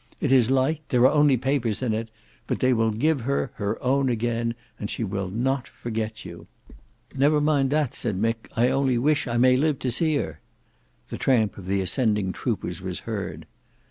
It is light; there are only papers in it; but they will give her her own again, and she will not forget you." "Never mind that," said Mick. "I only wish I may live to see her." The tramp of the ascending troopers was heard.